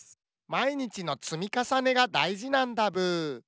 まいにちのつみかさねがだいじなんだブー。